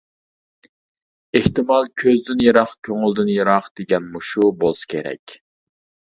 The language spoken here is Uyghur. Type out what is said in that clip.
ئېھتىمال، كۆزدىن يىراق، كۆڭۈلدىن يىراق دېگەن مۇشۇ بولسا كېرەك.